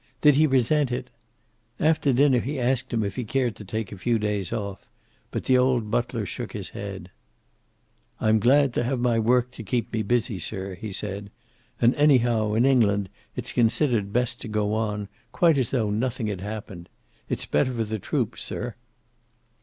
Did he resent it? After dinner he asked him if he cared to take a few days off, but the old butler shook his head. "I'm glad to have my work to keep me busy, sir," he said. "And anyhow, in England, it's considered best to go on, quite as though nothing had happened. It's better for the troops, sir."